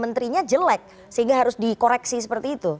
menterinya jelek sehingga harus dikoreksi seperti itu